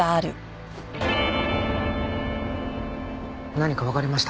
何かわかりましたか？